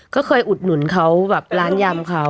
ก็เคยอุดหนุนเขาแบบร้านยำเขา